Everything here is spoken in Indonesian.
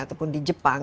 atau di jepang